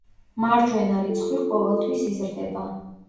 მარჯვენა რიცხვი ყოველთვის იზრდება.